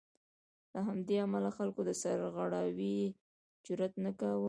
له همدې امله خلکو د سرغړاوي جرات نه کاوه.